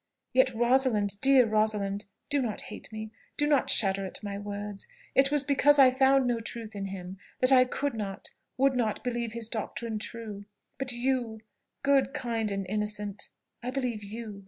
Yet Rosalind, dear Rosalind, do not hate me, do not shudder at my words. It was because I found no truth in him, that I could not, would not believe his doctrine true. But you good, kind, and innocent, I believe you."